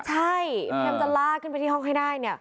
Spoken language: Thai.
ใช่พยายามจะลากขึ้นไปที่ห้องให้ได้